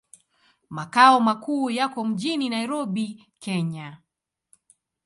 Makao makuu yako mjini Nairobi, Kenya.